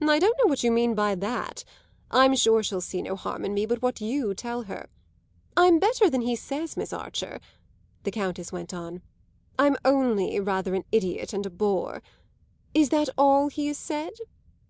"I don't know what you mean by that! I'm sure she'll see no harm in me but what you tell her. I'm better than he says, Miss Archer," the Countess went on. "I'm only rather an idiot and a bore. Is that all he has said?